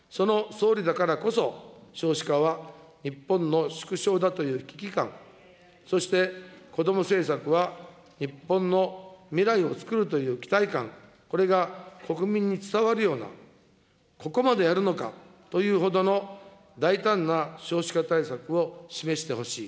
その総理だからこそ、少子化は日本の縮小だという危機感、そしてこども政策は日本の未来をつくるという期待感、これが国民に伝わるような、ここまでやるのかというほどの大胆な少子化対策を示してほしい。